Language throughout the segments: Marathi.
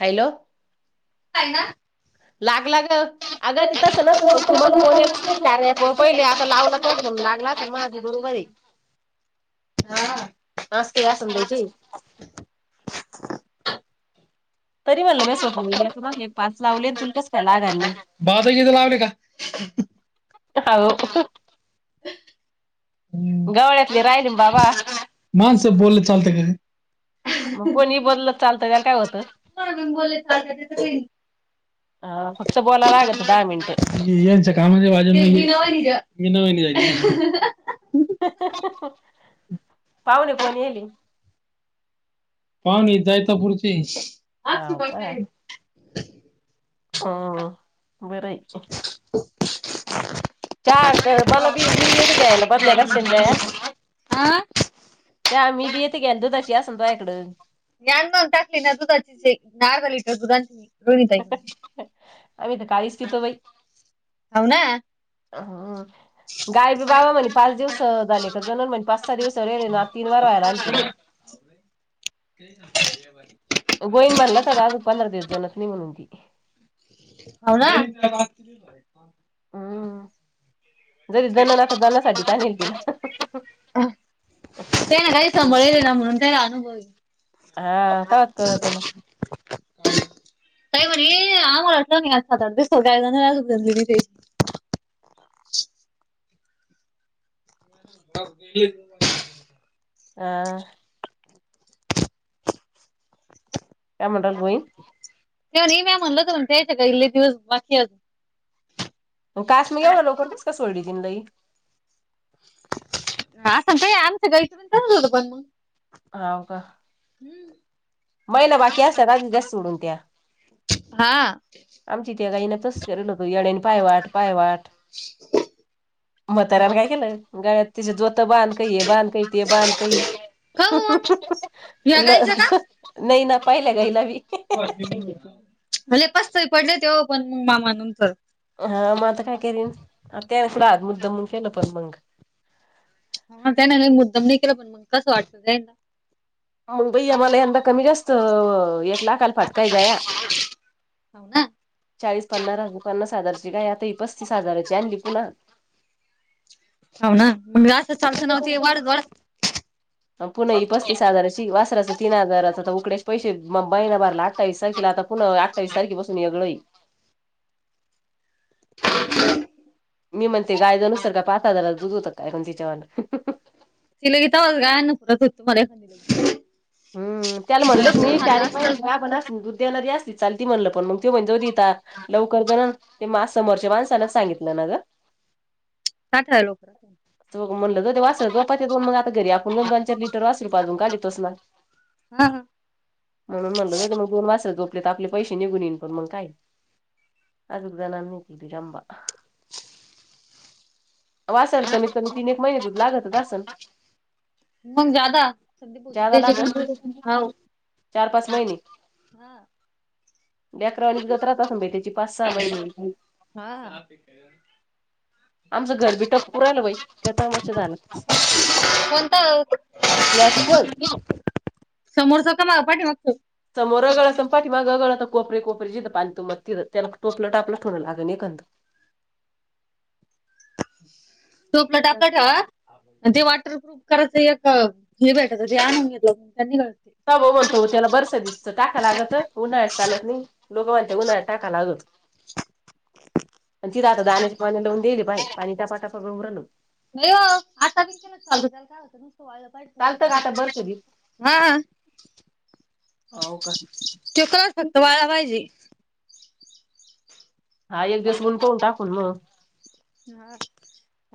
हॅलो का ना लागला ग अग त तस ना त पहिले, आता लावलाण लागला माजे बरोबर आहे. हा मस्त असल बाई काही तरी म्हणलं मी सोपव गेलं, तू एक पाच लावले तुला कस काय लागायले नाही. भातं - गितं लावले का? हो गवाळ्यातली राहिली ना बाबा. माणसं बोलव चालत गं मग कोणी बोललं तरी चालतं, त्याला काय होतं. म्हणून बोलले चालतं त्याचं काही ह फक्त बोलला लागत दहा मिनिट. यांच कामाची बाजून मग मीना वाहिनी आहे. मिनिटं पाहुणे कोणी येली? पाहुणे जैतापूर चे आहे. हव का? अह बर आहे की [unintelligible] चाहा मला बी मी बी येते घ्यायला बदल्यालाच [unintelligible] चहा मी बी येते घेन दुधाशी असेल [unintelligible] इकडं या न मग टाकते ना दुधाची जे अर्धा लिटर दुधात रोहिणी ताई आम्ही तर काळीच पितो हाव ना अ गाय बी बाबा म्हणे पाच दिवस झाले जनन म्हणे पाच सहा [unintelligible] ना तीन वार राय राहिल तिला बा गोईन म्हनला तर अग पंधरा दिस जणत नाही म्हूनन ती हाव ना. हम्म जरी जणन आता जनासाठीच आणील तीला त्या ना काही सभळले ना म्हणून त्याला अनुभव येईल हा तेव्हाच कळत ना काय म्हणे आम्हाला असलं नाही [unintelligible] [inaudible] हा. काय म्हटल गोईंन तेव्हा मी म्हणलं तर मानते त्या गाई लय दिवस बाकी हात मग कास मी येव ना लवकरचस का सोडली जिनलाई [unintelligible] हाव का हम्म. बैल बाकी अस राजदस सोडून त्या हा आमची त्या गाईनाच [unintelligible] पाय वाट पाय वाट म्हाताऱ्याने काय केलं गळ्यात तिच्या जोत त बांध काही ये बांध काही ते बांध काही काऊन ह्या ल गाईचं का? नाही ना पाहिल्या गाईला मी भले पास्तरी पडले तेव पण मग मामा नंतर. हा मग आता काय करीन त्याफूड आग मुद्दामुन केेल पण मंग हा त्यानं काय मुद्दाम नाही केला पण मग कसं वाटतंय होऊन बाई आम्हाला यंदा कमी जास्त एक लाखाला फटका आहे जया हाव ना. चाळीस पन्नास ह पन्नास हजारची गाय आता ही पस्तीस हजाराची आणली पुन्हा हाव ना [unintelligible] वाढत वाढत अहो पुन्हा ही पस्तीस हजाराची ची वासराचं तीन हजाराच आता उकडेश पैसे बैना भारला अठ्ठासारखला आता पुन्हा अठ्ठावीस तारखे पासून वेगळय [inaudible] मी म्हणते गाय जणूसर का पाहता जला दुध होतं काय तीच्यावाण [unintelligible] हम् त्याला म्हणलेत जर मी खाल्लं तारीख असतं [unintelligible] दुध देणारी असती चालत म्हणलं पण मग ते [unintelligible] लवकर जण ते म आज समोरच्या माणसानच सांगितलं ना ग [unintelligible] तो म्हणलं त ते वासर [unintelligible] आपण पण दोन चार लिटर वासरू पाजून काढतोच ना ह ह म्हणून म्हटलं त ते मग दोन वाचत झोपले तर आपले पैसे निघून येन पण मग काय अदा ननी कली कबा वासाल कमीत कमी तीन एक महिने दूध लागत अससन मग जादा सधी ज्यादा लागल. पच चार पाच महिने हा अकरावाली तुझा त्रात असून बा त्याची पाच सहा महिने हा [unintelligible] कोणत झाला समोरच का माग पाठी मागतो च मोरा पाठी माग गगळ आता कोपरे कोपरे जथं पाांतो मग तिं त्याला टोपलं टापलं ठोवं लाग एक तो प्लटा आपला ठेवा आणि ते वॉटरप्रुफ करायचं एक हे भेटायचं जे आणून घेतलं त्यांनी तम तो तेला बसदत टाका लागत उन्हाळत चालत नाही लोकन ते उन्हाळ्या टाका लागत तिथं आता दाण्याची पाणी लावून दिली बाय पाणी टासा टासा उ राल नाइ ओ आता बी केलं चालू चाल काय होतं न चालतं का आता तो बरसदीत वा हा आ हो का [unintelligible] हा एक दिवस गुणपवून टाकून मग ह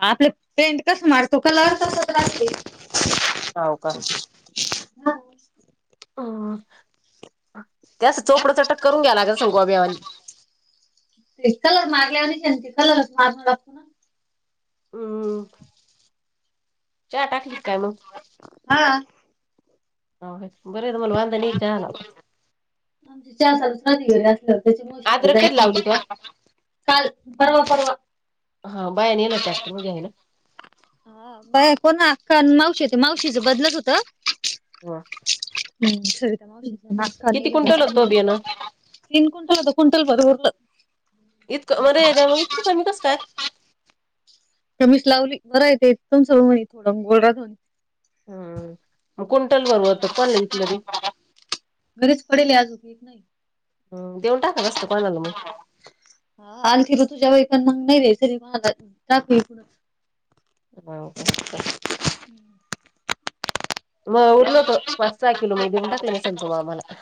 आपलं पेंट कस मारतो कलर तसच राहते हो का [inaudible] हम्म त्यास चोपड च टक करून घ्यालाग सं गोवाबिवाांनी कलर मागल्यावर ते कलरच माग लागतो हम्म चहा टाकलीत काय मग हा. बर मला वांता नाही चला चार सल सा घरी असलं त्याची मश अद्रक कधी जायची लावली का काल परवा परवा हा बायानेल टॅक्टर मगे आहे ना बा कोण ना मावशी होती मावशीचं बदलच होत ना किती क्विंटल होतो बियाणं [unintelligible] [inaudible] इतकं [unintelligible] इतकं कमी कसतय कमीच लावली बरय ते एकदम सगळ म्हणी थोडं गोलरध होनी हम कुंटल बरवत पण एकलरी [inaudible] [unintelligible] [unintelligible] [unintelligible] हाऊ काय [unintelligible] म उरल ओत पास सा किलो म देऊन टाकल संतू मामाला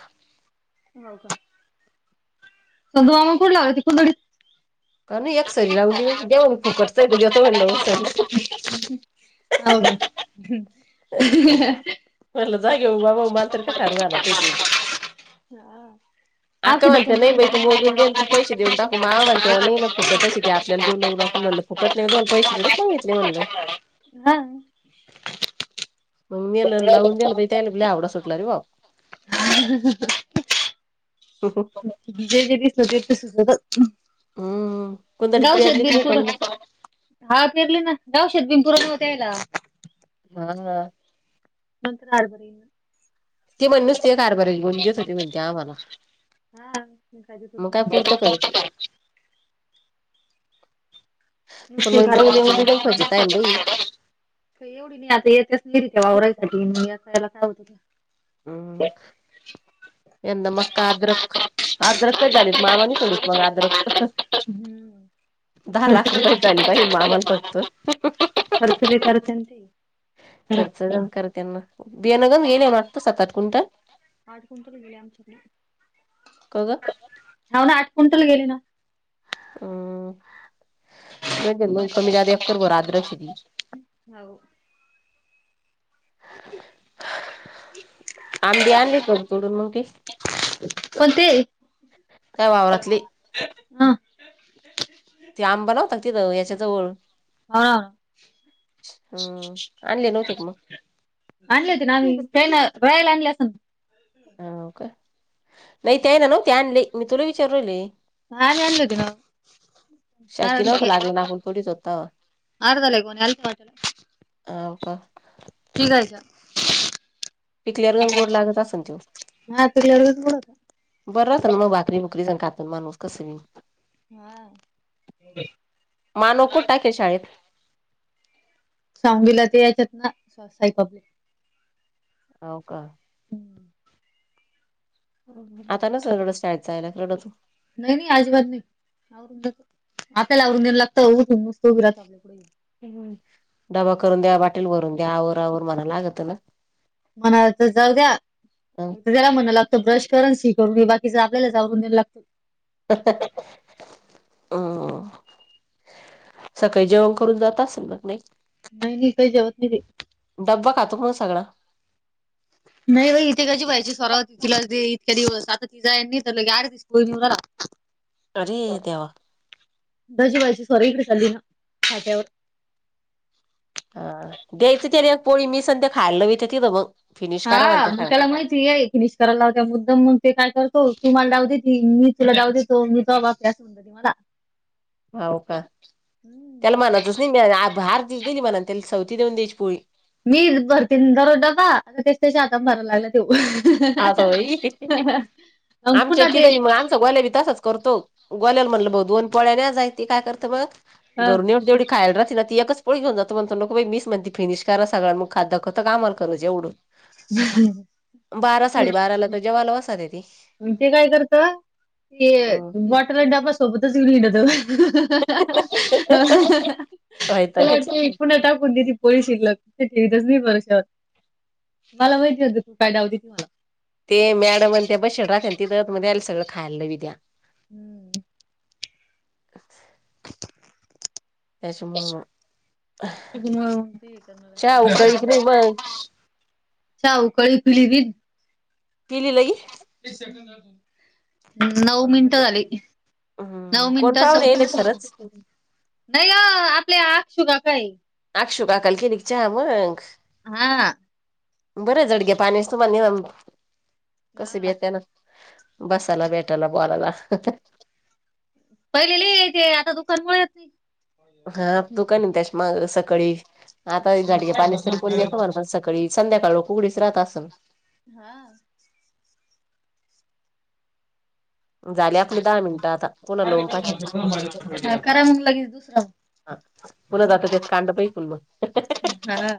हो का सधू मामाण कोठ लाग त को का नाही एक सरीरा राव देव म फुकटच आहे द्याेतो म्हणलं म्हन सरी [unintelligible] म्हलं जागेऊ बाबाऊ माल तर का ठरू आण ते [unintelligible] आा हा औषध म्हत ना नाही कुंपण बाई तूमून देऊ त पैसे देऊन काकू मावाण त्याला नाही ना फुकटचशी ते आपल्याला देऊ लऊाून म्हणलं फुकट नाही दोन पैसेवेच मागितले म्हणलं हा मग नेल लावून देलं त्याला आवडा सुटला रे भाऊ [unintelligible] जे जे दिसलंजेक्ट सु होत तर हम् गावशेत बिन पुर हा पेरले ना गावशेत बिन पुर नव्हत्या यायला हां नंतर आडबर ते म्हणस ते हरभरे घेऊन देत होते म्हणती आम्हाला ना मग हा काय पुरतं करत नाही [unintelligible] [unintelligible] पण एवढी मग जाऊन येऊन बी गणपतीत आहे ना बाई नाही आता येतच नाही रित्या वावरायसाठी म असायला काय होत हम यंदा मग का अदरक आदरकच झालेत मामानी सोडीत मग अदरक हम्म. दहा लाख खर्च रुपयाची झाली पाहिजे मामान फक्त खर्च लय करते ना ते. खर्च करत यांना बियाण घ गेले आट सात, आठ क्विंटल अज कोणंतरी विला आमच नाही कघ हाव ना आठ क्विंटल गेली ना हम मग कमीळा एकर बर आद्रक शेती हाव. आंबी आणली का तोडून मग ते कोते त्या वावरातले हा ते आंब नव्हता का तिथं याच्या जवळ हा हम्म आणले नव्हते क मग वळेला आणली अस ना हो का नाही ते आहे ना न ते आणले मी तुला विचारूल राहिले आम्ही आणले होते ना शाकी नव्हता लागला ना [unintelligible] आपण थोडीच होत तवा. आठ झालं कि आणि [unintelligible] हाव का ठीक आहे जा पिकल्यावर गोड लागत असन त्यो हा तुझ्यावरच बोलत बरंच ना मग बाकरी, बुकरी जाण खातात माणूस कसं बी हा मानो कॊठाक शाळेत सांला ते याच्यात ना साई पबली हाव का हम्म आता नसल रडत शाळेत जायला रडतच नाही, नाही अजिबात नाही आवरु आपल्याला आवरून द्यायला लागतं विराजच डबा करून द्या बाटील भरून द्या आवरआवर म्हणा लागत ना. म्हणाला तर जाऊ द्या. त्याला म्हण लागतं ब्रश करून शी करून हे बाकीच आपल्याला जावरून द्यां लागतं. हम्म. सकाळी जेवण करून जात असेल कि नाही. नाही नाही काही जेवत ती. ड्ब्बा खातो पण सगळा. नाही बाई इथे कशी पाहिजे सोराव होती तिला इके दिवस आता ति जाय तर. [inaudible] [unintelligible] अरे देवा! दजीबाजी सॉरी इकडे चालली ना खात्यावर. हा द्यायचं तरी एक पोळी मी संध्या खायला वितं तिथं मग. फिनिश करा म्हणत्या हा सगळा. त्याला माहितीय आहे कि नाही.. कराय लाव त्या मुद्दम म्हणून ते काय करतो तुम्हाला डाव देते मी तुला डाव देतो मी त बा.. [inaudible] हो का त्याला म्हनातच नाही बाहरसली म्हना त्याला सवती देऊन द्यायची पोळी. मी भरते दररोज डबा तेच त्याच्या हातन भराय लागल्यात. असं होई [inaudible] आमच्या चि मग आमचा गोल्या बी तसाच करतो. गोल्याला म्हटलं भाऊ दोन पोळ्या न्या जाय त काय करतं मग घर ए जेवढी. खायला ती एकच पोळी घेऊन जातो म्हणतो मीच म्हणते फिनिश करा सगळं मग खात दाखवतो कामाल कराल जेवढं. ह [unintelligible] बारा साडेबाराला त जेवला बसाते ती. ते काय करत ते बॉटल आणि डब्बा सोबतच घेऊन हिंडत. तुला वैतागच ये. ते इकून टाकून देतील. कोळी शिरल ठेतच नाही भरोशावर मला माहिती हो तू काय डावती देती मला. ते मॅडम त्या बशेल राहत्याना तिथं दत मध्येयला सगळं खायला विद्या. हम्म. त्याच्यामुळे. त्यांना. उकळली की नाही मग जाऊबाई भिली त. पिली लगी. नऊ मिनिटं झाली नऊ हम्म कोण मिनिट पाहुणे येले चौतीस सेकंद. खरंच. नाही अ आपले अकसू काका हाय. अक्षशू काकाला केला कि चहा मग. हा. बर जड घ्या पाणीस तुम्हाला कसे बी आहे त्यांना. बसायला भेटाला बोलाला. पहिलेले तेे आता दुकानमुळे य हा दुकान आहे त्याच्या मग सकाळी आता झाडीच्या पाण्यास तरी कोणी येतो मला पण सळी सकाळी संध्याकाळ उघडीच राहत असून. हा. झाले आपली दहा मिनिटं आता पुन्हा लावून पाहते. हा करा मग लगेच दुसरा. हा पुन्हा जात तेच कांड बयकुण मग. हा.